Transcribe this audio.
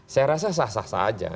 saya rasa sah sah saja